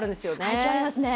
愛嬌ありますね。